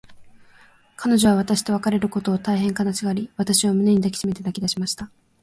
彼女は私と別れることを、大へん悲しがり、私を胸に抱きしめて泣きだしました。